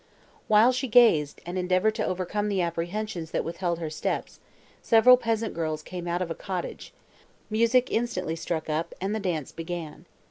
While she gazed, and endeavoured to overcome the apprehensions that withheld her steps, several peasant girls came out of a cottage; music instantly struck up, and the dance began.